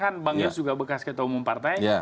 kan bang yus juga bekas ketua umum partai